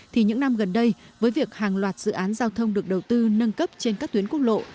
thì những năm gần đây với việc hàng loạt dự án giao thông được đầu tư nâng cấp trên các tuyến quốc lộ